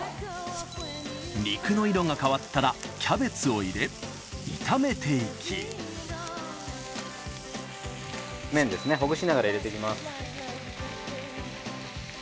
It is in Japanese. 肉の色が変わったらキャベツを入れ炒めていき麺ですねほぐしながら入れていきます。